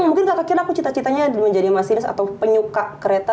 mungkin kakak kirana aku cita citanya menjadi masinis atau penyuka kereta